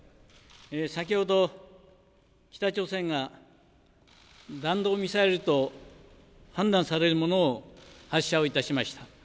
先ほど、北朝鮮が弾道ミサイルと判断されるものを発射をいたしました。